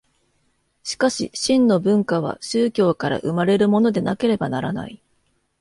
しかし真の文化は宗教から生まれるものでなければならない。